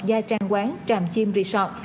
gia trang quán tràm chim resort